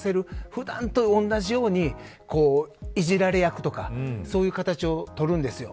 普段と同じようにいじられ役とかそういう形を取るんですよ。